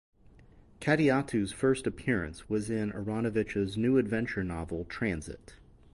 Kadiatu's first appearance was in Aarononvitch's New Adventure novel "Transit".